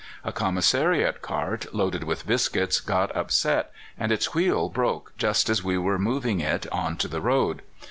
A commissariat cart, loaded with biscuits, got upset, and its wheel broke just as we were moving it on to the road.